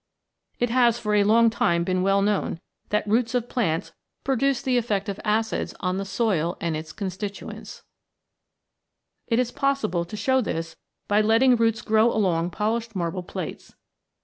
It has for a long time been well known that roots of plants produce the effect of acids upon the soil 5 THE PROTOPLASMATIC MEMBRANE and its constituents. It is possible to show this by letting roots grow along polished marble plates.